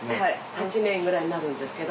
８年くらいになるんですけど。